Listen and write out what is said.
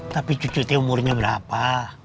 tapi cucu itu umurnya berapa